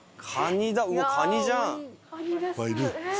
うわっカニじゃん。